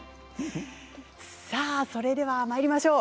それでは参りましょう。